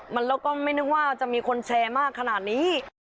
มันแล้วก็ไม่นึกว่าจะมีคนแชร์มากขนาดนี้